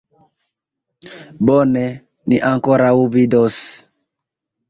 Bone, ni ankoraŭ vidos!